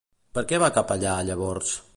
Per què va anar cap allà, llavors?